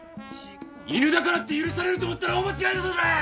犬だからって許されると思ったら大間違いだぞこらぁ！